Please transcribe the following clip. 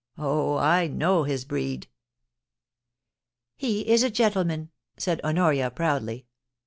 Oh, I know his breed' * He is a gentleman !' said Honoria, proudly.